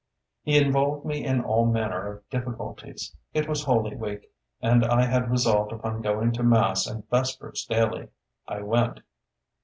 He involved me in all manner of difficulties. It was Holy Week, and I had resolved upon going to mass and vespers daily. I went.